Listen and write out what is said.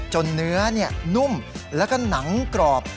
เนื้อนุ่มแล้วก็หนังกรอบ